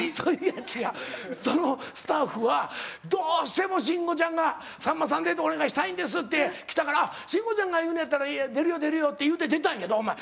違うそのスタッフは「どうしても慎吾ちゃんがさんまさんでお願いしたいんです」って来たから「慎吾ちゃんが言うねんやったらいいよ出るよ出るよ」って言うて出たんやでお前。